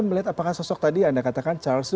melihat apakah sosok tadi anda katakan charles